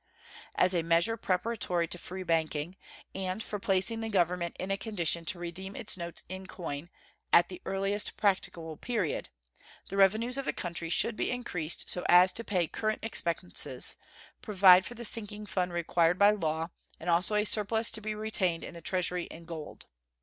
As a measure preparatory to free banking, and for placing the Government in a condition to redeem its notes in coin "at the earliest practicable period," the revenues of the country should be increased so as to pay current expenses, provide for the sinking fund required by law, and also a surplus to be retained in the Treasury in gold.